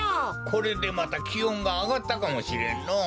これでまたきおんがあがったかもしれんのう。